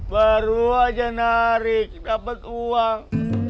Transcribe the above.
baru aja narik dapat uang